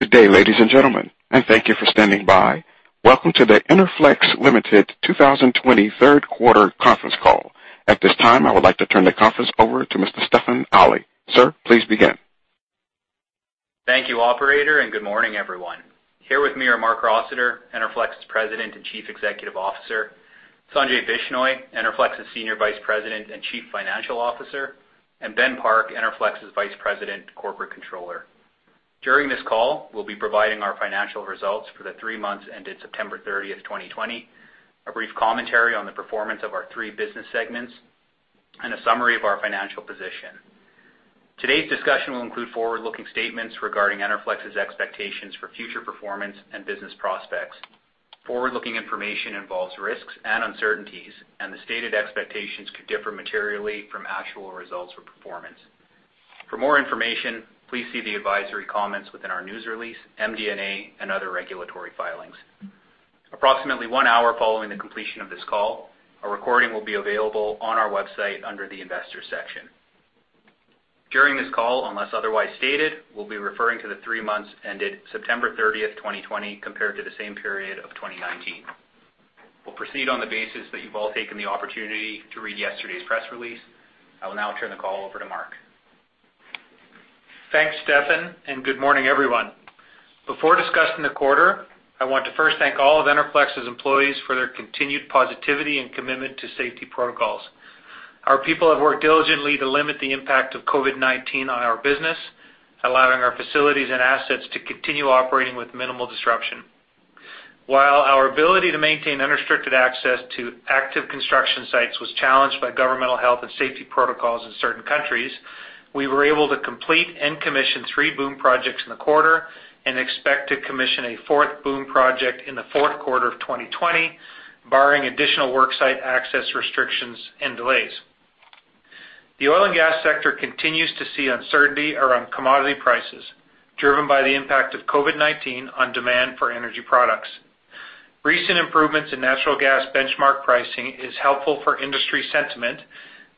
Good day, ladies and gentlemen, and thank you for standing by. Welcome to the Enerflex Ltd. 2020 Q3 Conference Call. At this time, I would like to turn the conference over to Mr. Stefan Ali. Sir, please begin. Thank you, operator. Good morning, everyone. Here with me are Marc Rossiter, Enerflex's President and Chief Executive Officer, Sanjay Bishnoi, Enerflex's Senior Vice President and Chief Financial Officer, and Ben Park, Enerflex's Vice President, Corporate Controller. During this call, we'll be providing our financial results for the three months ended September 30th, 2020, a brief commentary on the performance of our three business segments, and a summary of our financial position. Today's discussion will include forward-looking statements regarding Enerflex's expectations for future performance and business prospects. Forward-looking information involves risks and uncertainties. The stated expectations could differ materially from actual results or performance. For more information, please see the advisory comments within our news release, MD&A, and other regulatory filings. Approximately one hour following the completion of this call, a recording will be available on our website under the investor section. During this call, unless otherwise stated, we'll be referring to the three months ended September 30th, 2020, compared to the same period of 2019. We'll proceed on the basis that you've all taken the opportunity to read yesterday's press release. I will now turn the call over to Marc. Thanks, Stefan, and good morning, everyone. Before discussing the quarter, I want to first thank all of Enerflex's employees for their continued positivity and commitment to safety protocols. Our people have worked diligently to limit the impact of COVID-19 on our business, allowing our facilities and assets to continue operating with minimal disruption. While our ability to maintain unrestricted access to active construction sites was challenged by governmental health and safety protocols in certain countries, we were able to complete and commission three BOOM projects in the quarter and expect to commission a fourth BOOM project in the Q4 of 2020, barring additional work site access restrictions and delays. The oil and gas sector continues to see uncertainty around commodity prices, driven by the impact of COVID-19 on demand for energy products. Recent improvements in natural gas benchmark pricing is helpful for industry sentiment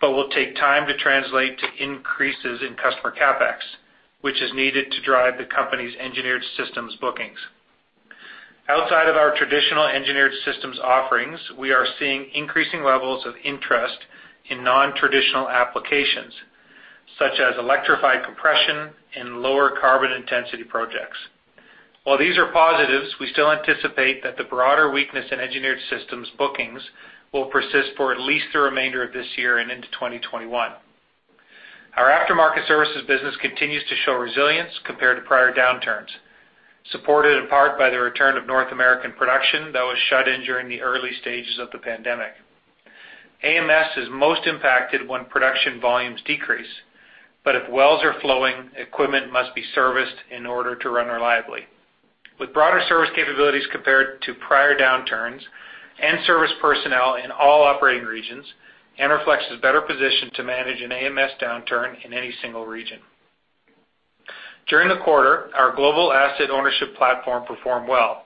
but will take time to translate to increases in customer CapEx, which is needed to drive the company's Engineered Systems bookings. Outside of our traditional Engineered Systems offerings, we are seeing increasing levels of interest in non-traditional applications, such as electrified compression and lower carbon intensity projects. While these are positives, we still anticipate that the broader weakness in Engineered Systems bookings will persist for at least the remainder of this year and into 2021. Our Aftermarket services business continues to show resilience compared to prior downturns, supported in part by the return of North American production that was shut in during the early stages of the pandemic. AMS is most impacted when production volumes decrease, but if wells are flowing, equipment must be serviced in order to run reliably. With broader service capabilities compared to prior downturns and service personnel in all operating regions, Enerflex is better positioned to manage an AMS downturn in any single region. During the quarter, our global asset ownership platform performed well,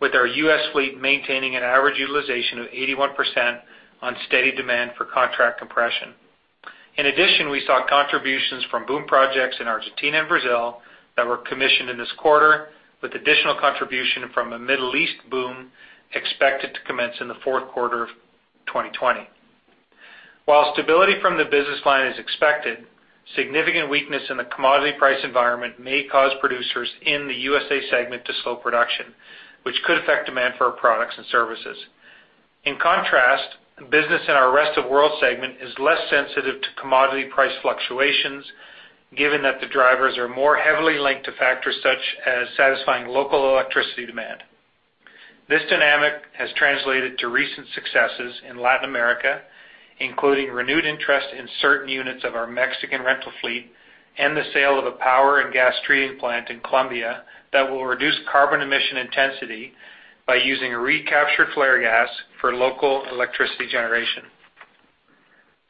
with our U.S. fleet maintaining an average utilization of 81% on steady demand for contract compression. In addition, we saw contributions from BOOM projects in Argentina and Brazil that were commissioned in this quarter, with additional contribution from a Middle East BOOM expected to commence in the Q4 of 2020. While stability from the business line is expected, significant weakness in the commodity price environment may cause producers in the U.S. segment to slow production, which could affect demand for our products and services. In contrast, business in our Rest of World segment is less sensitive to commodity price fluctuations, given that the drivers are more heavily linked to factors such as satisfying local electricity demand. This dynamic has translated to recent successes in Latin America, including renewed interest in certain units of our Mexican rental fleet and the sale of a power and gas treating plant in Colombia that will reduce carbon emission intensity by using recaptured flare gas for local electricity generation.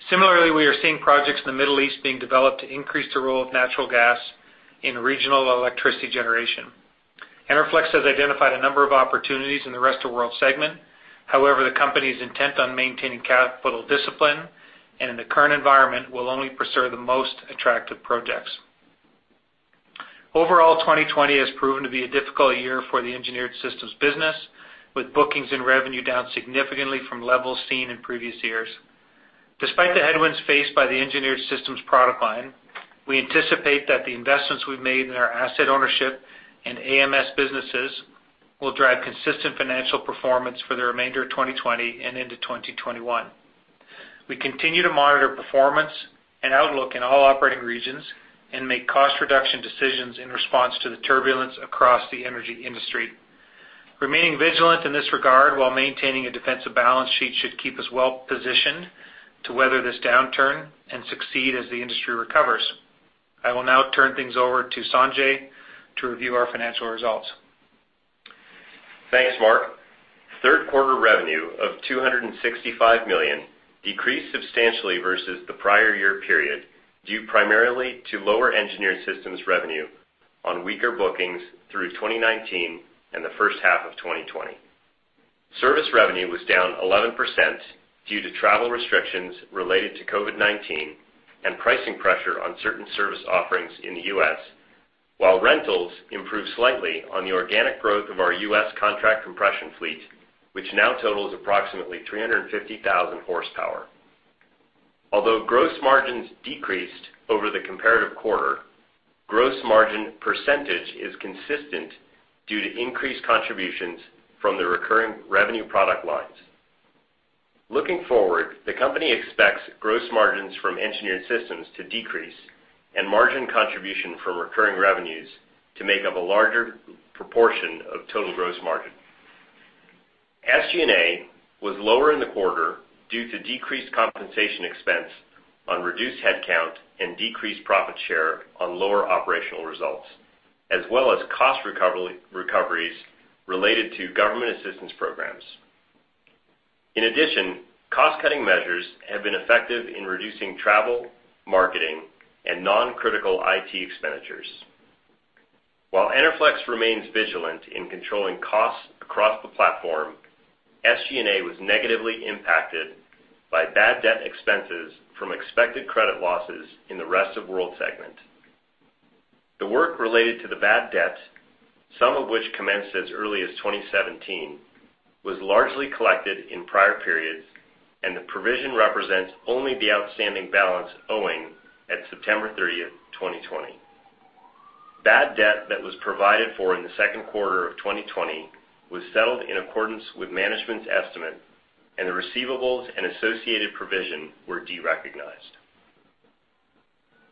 Similarly, we are seeing projects in the Middle East being developed to increase the role of natural gas in regional electricity generation. Enerflex has identified a number of opportunities in the Rest of World segment. However, the company's intent on maintaining capital discipline, and in the current environment, will only pursue the most attractive projects. Overall, 2020 has proven to be a difficult year for the Engineered Systems business, with bookings and revenue down significantly from levels seen in previous years. Despite the headwinds faced by the Engineered Systems product line, we anticipate that the investments we've made in our asset ownership and AMS businesses will drive consistent financial performance for the remainder of 2020 and into 2021. We continue to monitor performance and outlook in all operating regions and make cost reduction decisions in response to the turbulence across the energy industry. Remaining vigilant in this regard while maintaining a defensive balance sheet should keep us well positioned to weather this downturn and succeed as the industry recovers. I will now turn things over to Sanjay to review our financial results. Thanks, Marc. Third quarter revenue of 265 million decreased substantially versus the prior year period, due primarily to lower Engineered Systems revenue on weaker bookings through 2019 and the H1 of 2020. Service revenue was down 11% due to travel restrictions related to COVID-19 and pricing pressure on certain service offerings in the U.S., while rentals improved slightly on the organic growth of our U.S. Contract Compression fleet, which now totals approximately 350,000 horsepower. Although gross margins decreased over the comparative quarter, gross margin percentage is consistent due to increased contributions from the recurring revenue product lines. Looking forward, the company expects gross margins from Engineered Systems to decrease and margin contribution from recurring revenues to make up a larger proportion of total gross margin. SG&A was lower in the quarter due to decreased compensation expense on reduced headcount and decreased profit share on lower operational results, as well as cost recoveries related to government assistance programs. In addition, cost-cutting measures have been effective in reducing travel, marketing, and non-critical IT expenditures. While Enerflex remains vigilant in controlling costs across the platform, SG&A was negatively impacted by bad debt expenses from expected credit losses in the Rest of World segment. The work related to the bad debts, some of which commenced as early as 2017, was largely collected in prior periods, and the provision represents only the outstanding balance owing at September 30th, 2020. Bad debt that was provided for in the Q2 of 2020 was settled in accordance with management's estimate, and the receivables and associated provision were derecognized.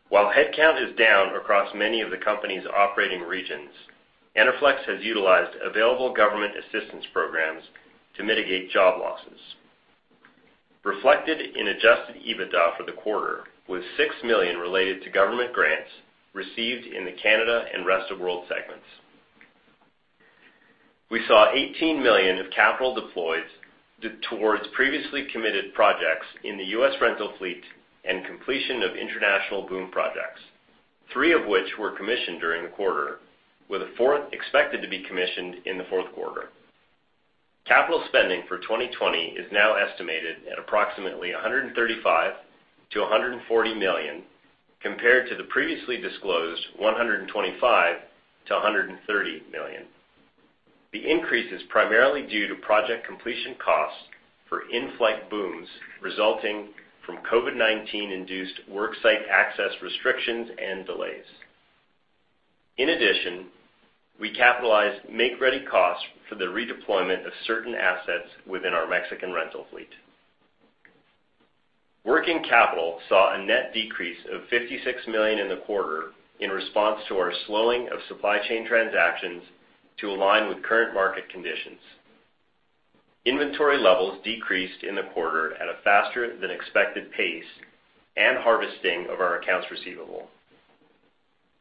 While headcount is down across many of the company's operating regions, Enerflex has utilized available government assistance programs to mitigate job losses. Reflected in adjusted EBITDA for the quarter was 6 million related to government grants received in the Canada and Rest of World segments. We saw 18 million of capital deployed towards previously committed projects in the U.S. rental fleet and completion of international BOOM projects, three of which were commissioned during the quarter, with a fourth expected to be commissioned in the fourth quarter. Capital spending for 2020 is now estimated at approximately 135 million-140 million, compared to the previously disclosed 125 million-130 million. The increase is primarily due to project completion costs for in-flight BOOMs resulting from COVID-19 induced worksite access restrictions and delays. In addition, we capitalized make-ready costs for the redeployment of certain assets within our Mexican rental fleet. Working capital saw a net decrease of 56 million in the quarter in response to our slowing of supply chain transactions to align with current market conditions. Inventory levels decreased in the quarter at a faster than expected pace and harvesting of our accounts receivable.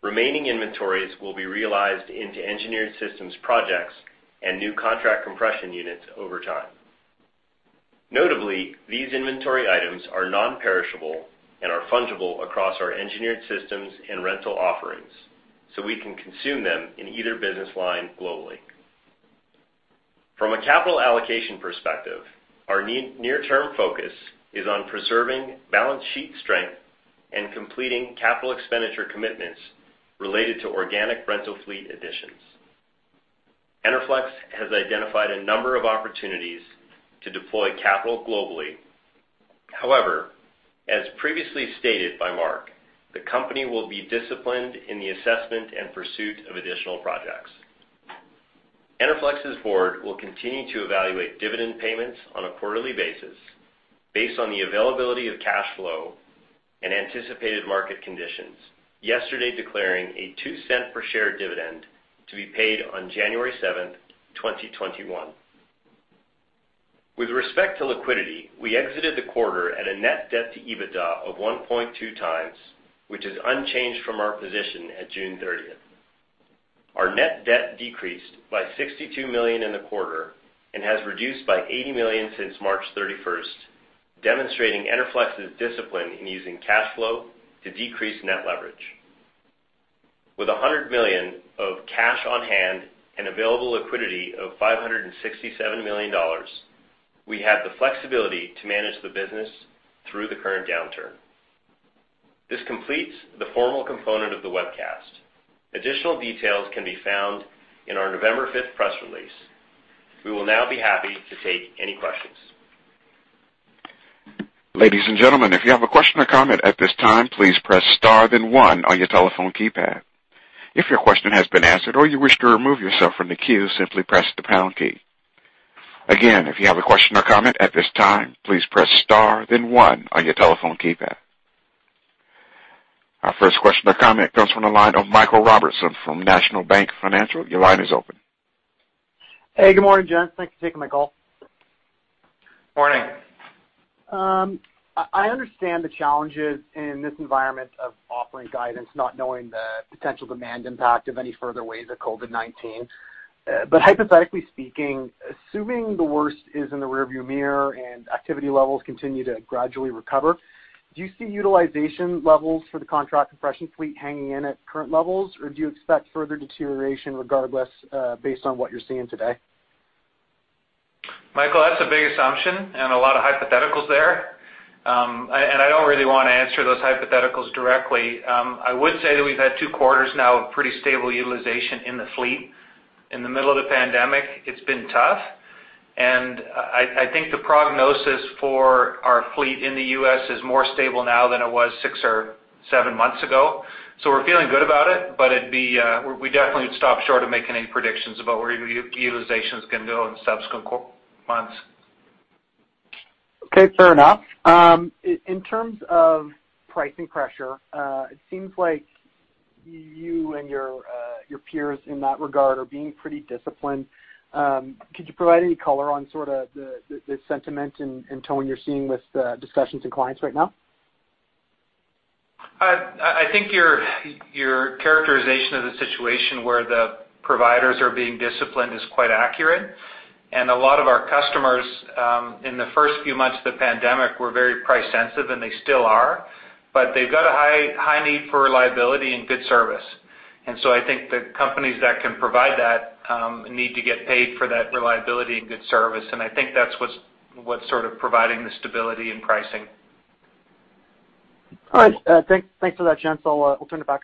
Remaining inventories will be realized into Engineered Systems projects and new contract compression units over time. Notably, these inventory items are non-perishable and are fungible across our Engineered Systems and rental offerings, so we can consume them in either business line globally. From a capital allocation perspective, our near-term focus is on preserving balance sheet strength and completing capital expenditure commitments related to organic rental fleet additions. Enerflex has identified a number of opportunities to deploy capital globally. As previously stated by Marc, the company will be disciplined in the assessment and pursuit of additional projects. Enerflex's board will continue to evaluate dividend payments on a quarterly basis based on the availability of cash flow and anticipated market conditions, yesterday declaring a 0.02 per share dividend to be paid on January 7th, 2021. With respect to liquidity, we exited the quarter at a net debt to EBITDA of 1.2 times, which is unchanged from our position at June 30th. Our net debt decreased by 62 million in the quarter and has reduced by 80 million since March 31st, demonstrating Enerflex's discipline in using cash flow to decrease net leverage. With 100 million of cash on hand and available liquidity of 567 million dollars, we have the flexibility to manage the business through the current downturn. This completes the formal component of the webcast. Additional details can be found in our November 5th press release. We will now be happy to take any questions. Ladies and gentlemen if you have a question or comment at this time please press star then one on your telephone keypad. If your question has been answered or you wish to remove yourself from the queues simply press the pound key. Again if you have question or comment at this time please press star then one on your telephone keypad. Our first question or comment comes from the line of Michael Robertson from National Bank Financial. Your line is open. Hey, good morning, gents. Thanks for taking my call. Morning. I understand the challenges in this environment of offering guidance, not knowing the potential demand impact of any further waves of COVID-19. Hypothetically speaking, assuming the worst is in the rearview mirror and activity levels continue to gradually recover, do you see utilization levels for the contract compression fleet hanging in at current levels, or do you expect further deterioration regardless, based on what you're seeing today? Michael, that's a big assumption and a lot of hypotheticals there. I don't really want to answer those hypotheticals directly. I would say that we've had two quarters now of pretty stable utilization in the fleet. In the middle of the pandemic, it's been tough, and I think the prognosis for our fleet in the U.S. is more stable now than it was six or seven months ago. We're feeling good about it, but we definitely would stop short of making any predictions about where utilization is going to go in subsequent months. Okay, fair enough. In terms of pricing pressure, it seems like you and your peers in that regard are being pretty disciplined. Could you provide any color on sort of the sentiment and tone you're seeing with discussions with clients right now? I think your characterization of the situation where the providers are being disciplined is quite accurate. A lot of our customers, in the first few months of the pandemic, were very price sensitive, and they still are, but they've got a high need for reliability and good service. I think the companies that can provide that need to get paid for that reliability and good service, and I think that's what's sort of providing the stability in pricing. All right. Thanks for that, gents. I'll turn it back.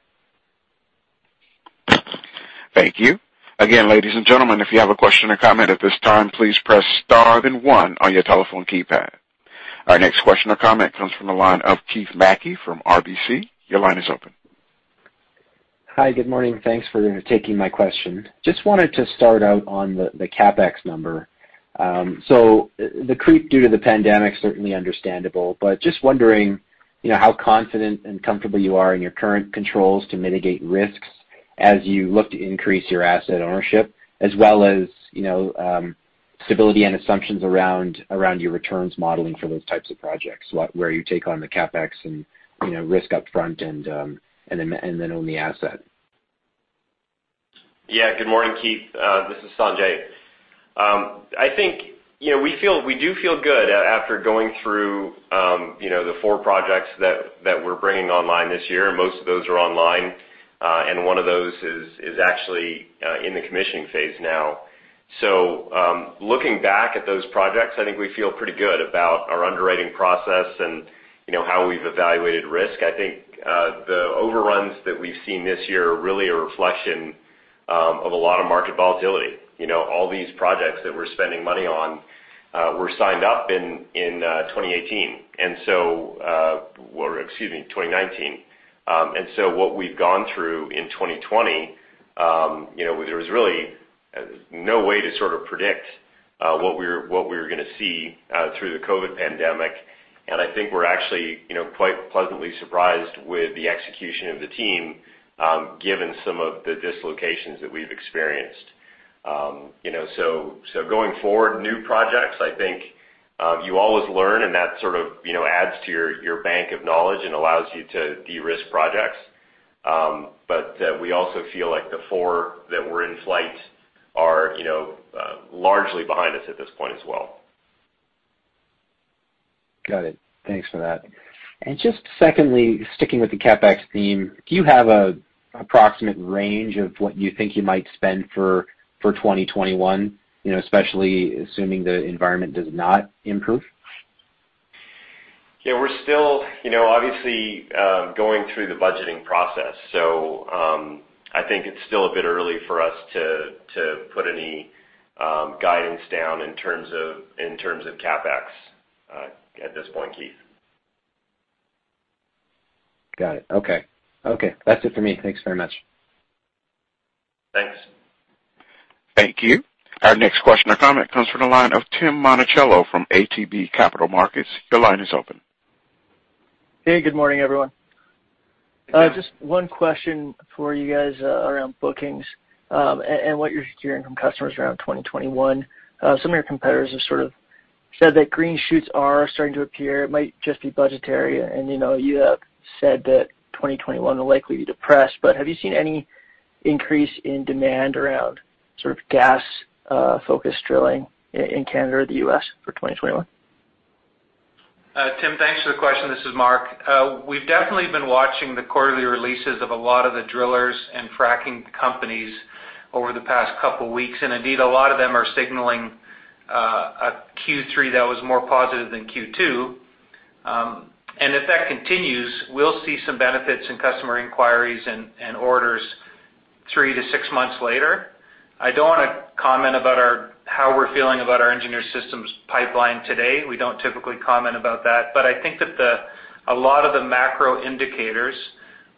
Thank you. Again, ladies and gentlemen, if you have a question or comment at this time, please press star then one on your telephone keypad. Our next question or comment comes from the line of Keith Mackey from RBC. Your line is open. Hi. Good morning. Thanks for taking my question. Just wanted to start out on the CapEx number. The creep due to the pandemic is certainly understandable, but just wondering how confident and comfortable you are in your current controls to mitigate risks as you look to increase your asset ownership as well as stability and assumptions around your returns modeling for those types of projects where you take on the CapEx and risk upfront and then own the asset. Good morning, Keith. This is Sanjay. I think we do feel good after going through the four projects that we're bringing online this year, and most of those are online. One of those is actually in the commissioning phase now. Looking back at those projects, I think we feel pretty good about our underwriting process and how we've evaluated risk. I think the overruns that we've seen this year are really a reflection of a lot of market volatility. All these projects that we're spending money on were signed up in 2018, or excuse me, 2019. What we've gone through in 2020, there was really no way to sort of predict what we were going to see through the COVID-19 pandemic. I think we're actually quite pleasantly surprised with the execution of the team given some of the dislocations that we've experienced. Going forward, new projects, I think you always learn and that sort of adds to your bank of knowledge and allows you to de-risk projects. We also feel like the four that were in flight are largely behind us at this point as well. Got it. Thanks for that. Just secondly, sticking with the CapEx theme, do you have an approximate range of what you think you might spend for 2021, especially assuming the environment does not improve? Yeah, we're still obviously going through the budgeting process. I think it's still a bit early for us to put any guidance down in terms of CapEx at this point, Keith. Got it. Okay. That's it for me. Thanks very much. Thanks. Thank you. Our next question or comment comes from the line of Tim Monachello from ATB Capital Markets. Your line is open. Hey, good morning, everyone. Good morning. Just one question for you guys around bookings and what you're hearing from customers around 2021. Some of your competitors have sort of said that green shoots are starting to appear. It might just be budgetary, and you have said that 2021 will likely be depressed, but have you seen any increase in demand around sort of gas-focused drilling in Canada or the U.S. for 2021? Tim, thanks for the question. This is Marc. We've definitely been watching the quarterly releases of a lot of the drillers and fracking companies over the past couple of weeks. Indeed, a lot of them are signaling a Q3 that was more positive than Q2. If that continues, we'll see some benefits in customer inquiries and orders three to six months later. I don't want to comment about how we're feeling about our Engineered Systems pipeline today. We don't typically comment about that. I think that a lot of the macro indicators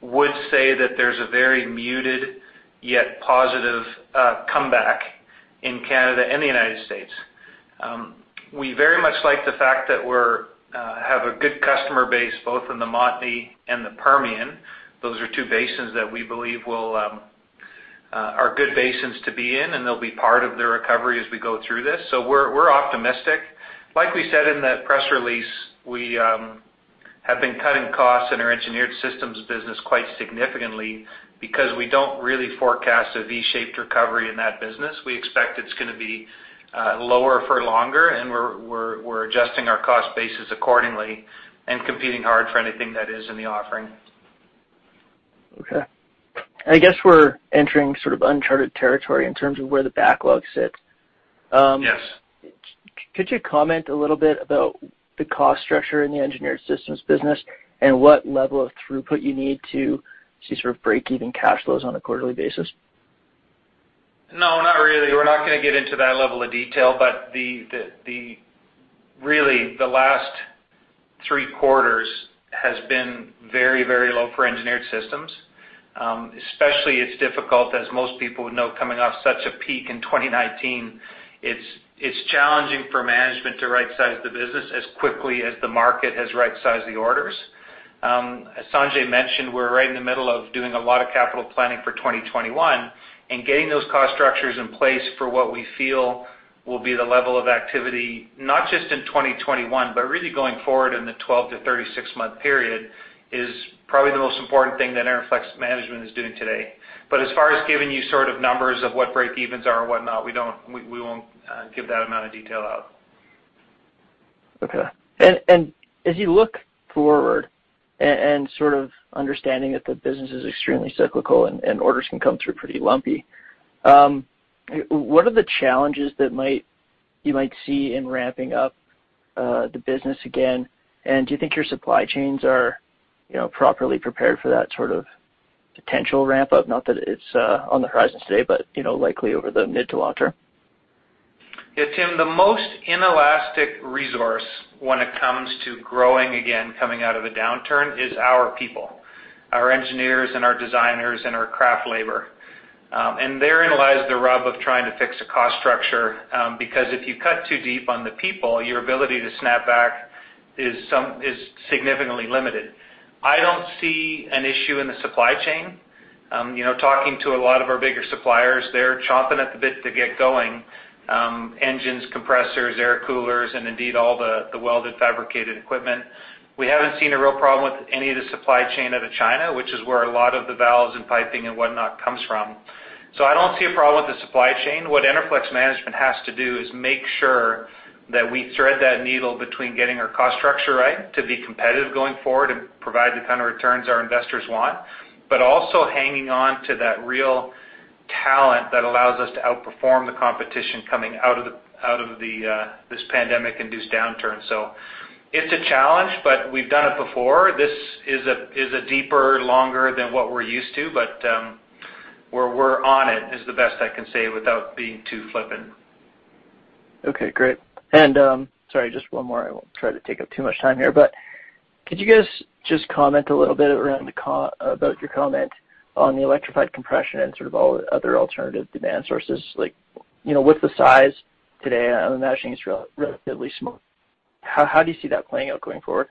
would say that there's a very muted yet positive comeback in Canada and the U.S. We very much like the fact that we have a good customer base both in the Montney and the Permian. Those are two basins that we believe are good basins to be in, and they'll be part of the recovery as we go through this. We're optimistic. Like we said in that press release, we have been cutting costs in our Engineered Systems business quite significantly because we don't really forecast a V-shaped recovery in that business. We expect it's going to be lower for longer, and we're adjusting our cost basis accordingly and competing hard for anything that is in the offering. Okay. I guess we're entering sort of uncharted territory in terms of where the backlog sits. Yes. Could you comment a little bit about the cost structure in the Engineered Systems business and what level of throughput you need to see sort of breakeven cash flows on a quarterly basis? No, not really. We're not going to get into that level of detail. Really, the last three quarters has been very, very low for Engineered Systems. Especially it's difficult, as most people would know, coming off such a peak in 2019. It's challenging for management to right-size the business as quickly as the market has right-sized the orders. As Sanjay mentioned, we're right in the middle of doing a lot of capital planning for 2021, and getting those cost structures in place for what we feel will be the level of activity, not just in 2021, but really going forward in the 12-36-month period, is probably the most important thing that Enerflex management is doing today. As far as giving you sort of numbers of what breakevens are or whatnot, we won't give that amount of detail out. Okay. As you look forward and sort of understanding that the business is extremely cyclical and orders can come through pretty lumpy, what are the challenges that you might see in ramping up the business again, and do you think your supply chains are properly prepared for that sort of potential ramp-up? Not that it's on the horizon today, but likely over the mid to long term. Yeah, Tim, the most inelastic resource when it comes to growing again, coming out of a downturn, is our people, our engineers and our designers and our craft labor. Therein lies the rub of trying to fix a cost structure, because if you cut too deep on the people, your ability to snap back is significantly limited. I don't see an issue in the supply chain. Talking to a lot of our bigger suppliers, they're chomping at the bit to get going. Engines, compressors, air coolers, and indeed, all the welded fabricated equipment. We haven't seen a real problem with any of the supply chain out of China, which is where a lot of the valves and piping and whatnot comes from. I don't see a problem with the supply chain. What Enerflex management has to do is make sure that we thread that needle between getting our cost structure right to be competitive going forward and provide the kind of returns our investors want, but also hanging on to that real talent that allows us to outperform the competition coming out of this pandemic-induced downturn. It's a challenge, but we've done it before. This is a deeper, longer than what we're used to, but we're on it is the best I can say without being too flippant. Okay, great. Sorry, just one more. I won't try to take up too much time here, but could you guys just comment a little bit about your comment on the electrified compression and sort of all the other alternative demand sources? With the size today, I'm imagining it's relatively small. How do you see that playing out going forward?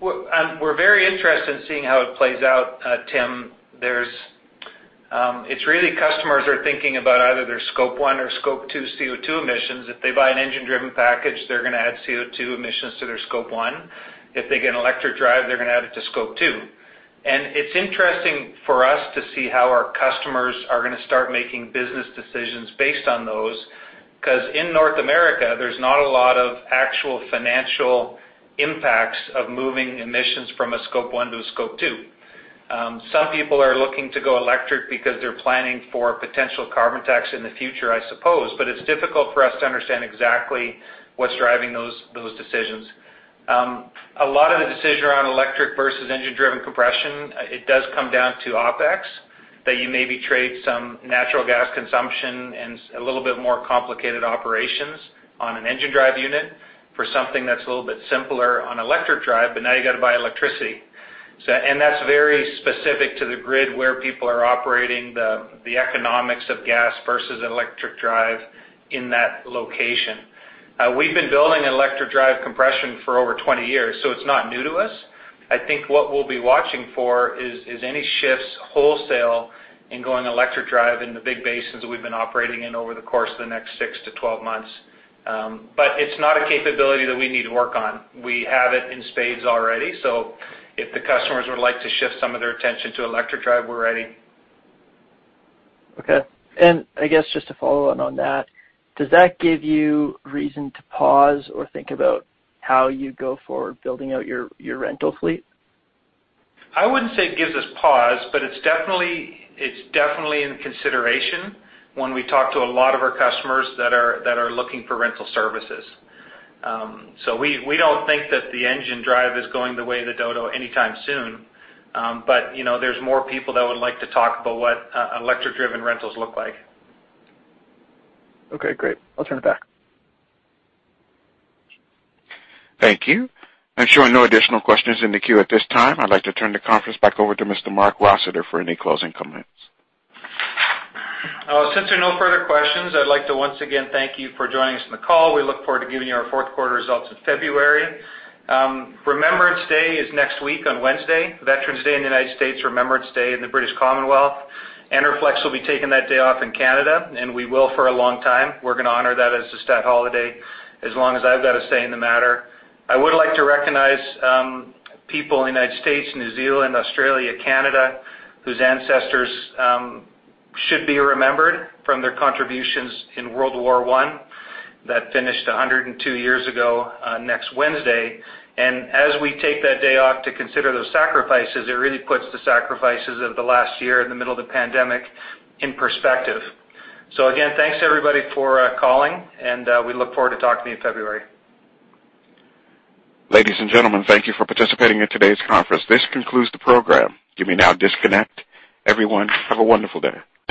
We're very interested in seeing how it plays out, Tim. It's really customers are thinking about either their Scope 1 or Scope 2 CO2 emissions. If they buy an engine-driven package, they're going to add CO2 emissions to their Scope 1. If they get an electric drive, they're going to add it to Scope 2. It's interesting for us to see how our customers are going to start making business decisions based on those, because in North America, there's not a lot of actual financial impacts of moving emissions from a Scope 1 to a Scope 2. Some people are looking to go electric because they're planning for potential carbon tax in the future, I suppose, but it's difficult for us to understand exactly what's driving those decisions. A lot of the decision around electric versus engine-driven compression, it does come down to OpEx, that you maybe trade some natural gas consumption and a little bit more complicated operations on an engine drive unit for something that's a little bit simpler on electric drive, but now you got to buy electricity. That's very specific to the grid where people are operating the economics of gas versus electric drive in that location. We've been building electric drive compression for over 20 years, it's not new to us. I think what we'll be watching for is any shifts wholesale in going electric drive in the big basins that we've been operating in over the course of the next six to 12 months. It's not a capability that we need to work on. We have it in spades already, so if the customers would like to shift some of their attention to electric drive, we're ready. Okay. I guess just to follow on on that, does that give you reason to pause or think about how you go forward building out your rental fleet? I wouldn't say it gives us pause, but it's definitely in consideration when we talk to a lot of our customers that are looking for rental services. We don't think that the engine drive is going the way of the dodo anytime soon. There's more people that would like to talk about what electric-driven rentals look like. Okay, great. I'll turn it back. Thank you. I'm showing no additional questions in the queue at this time. I'd like to turn the conference back over to Mr. Marc Rossiter for any closing comments. Since there are no further questions, I'd like to once again thank you for joining us on the call. We look forward to giving you our Q4 results in February. Remembrance Day is next week on Wednesday, Veterans Day in the United States, Remembrance Day in the British Commonwealth. Enerflex will be taking that day off in Canada, and we will for a long time. We're going to honor that as a stat holiday as long as I've got a say in the matter. I would like to recognize people in the United States, New Zealand, Australia, Canada, whose ancestors should be remembered from their contributions in World War I. That finished 102 years ago next Wednesday. And as we take that day off to consider those sacrifices, it really puts the sacrifices of the last year in the middle of the pandemic in perspective. Again, thanks everybody for calling, and we look forward to talking to you in February. Ladies and gentlemen, thank you for participating in today's conference. This concludes the program. You may now disconnect. Everyone, have a wonderful day.